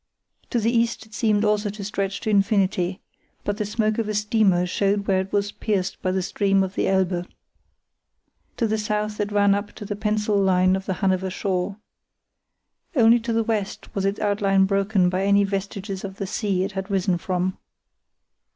To the east it seemed also to stretch to infinity, but the smoke of a steamer showed where it was pierced by the stream of the Elbe. To the south it ran up to the pencil line of the Hanover shore. Only to the west was its outline broken by any vestiges of the sea it had risen from.